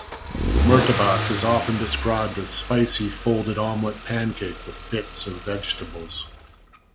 Murtabak is often described as spicy folded omelette pancake with bits of vegetables.